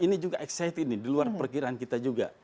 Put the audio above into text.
ini juga exciting di luar perkiraan kita juga